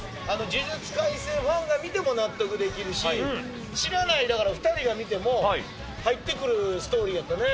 呪術廻戦ファンが見ても納得できるし、知らないだから２人が見ても、入ってくるストーリーやったね。